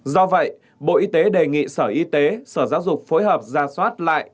do vậy bộ y tế đề nghị sở y tế sở giáo dục phối hợp ra soát lại